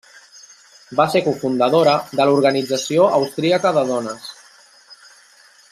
Va ser cofundadora de l'Organització Austríaca de Dones.